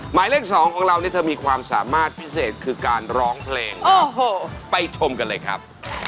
หมายเลขสองของเรานี่เธอมีความสามารถพิเศษคือการร้องเพลงโอ้โหไปชมกันเลยครับ